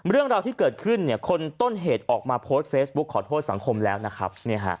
เรื่องราวที่เกิดขึ้นคนต้นเหตุออกมาโพสต์เฟซบุ๊คขอโทษสังคมแล้วนะครับ